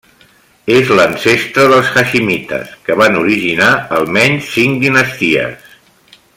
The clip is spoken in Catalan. És l'ancestre dels haiximites, que van originar almenys cinc dinasties.